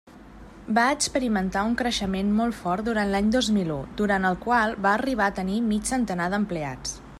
Va experimentar un creixement molt fort durant l'any dos mil u, durant el qual va arribar a tenir mig centenar d'empleats.